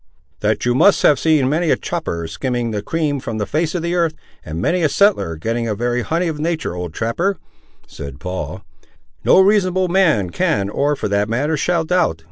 "That you must have seen many a chopper skimming the cream from the face of the earth, and many a settler getting the very honey of nature, old trapper," said Paul, "no reasonable man can, or, for that matter, shall doubt.